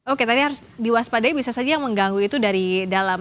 oke tadi harus diwaspadai bisa saja yang mengganggu itu dari dalam